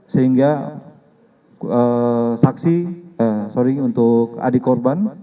sehingga saksi sorry untuk adik korban